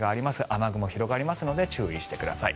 雨雲広がりますので注意してください。